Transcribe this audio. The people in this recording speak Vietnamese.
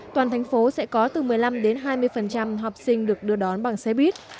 toàn thành phố sẽ có từ một mươi năm đến hai mươi học sinh được đưa đón bằng xe buýt